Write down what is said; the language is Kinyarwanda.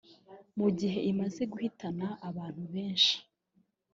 mu gihe imaze guhitana abantu benshi